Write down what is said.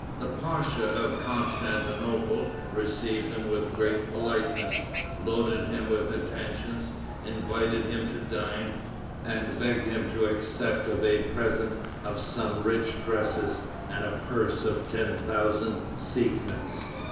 The pacha of Constantinople received him with great politeness, loaded him with attentions, invited him to dine, and begged him to accept of a present of some rich dresses, and a purse of ten thousand sequins.